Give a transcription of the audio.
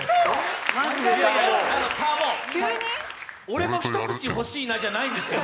いやいや、ター坊、俺も一口欲しいなじゃないんですよ。